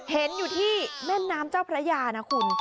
เห็นอยู่ที่แม่น้ำเจ้าพระยานะคุณ